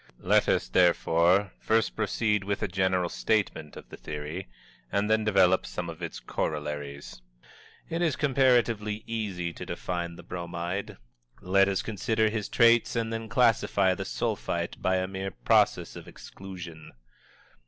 Let us, therefore, first proceed with a general statement of the theory and then develop some of its corollaries. It is comparatively easy to define the Bromide; let us consider his traits and then classify the Sulphite by a mere process of exclusion.